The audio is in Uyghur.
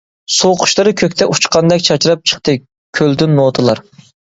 سۇ قۇشلىرى كۆكتە ئۇچقاندەك چاچراپ چىقتى كۆلدىن نوتىلار.